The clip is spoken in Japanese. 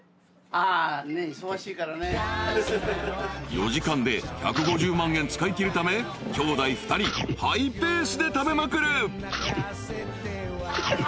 ［４時間で１５０万円使いきるため兄弟２人ハイペースで食べまくる］